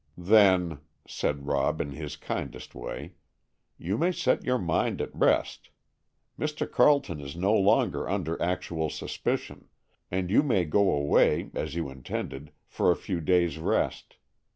"Then," said Rob in his kindest way, "you may set your mind at rest. Mr. Carleton is no longer under actual suspicion, and you may go away, as you intended, for a few days' rest.